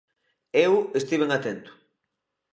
Eu estiven atento.